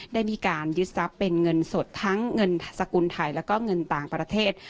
ได้มีการยึดทรัพย์เป็นเงินสดทั้งเงินสกุลไทยแล้วก็เงินต่างประเทศ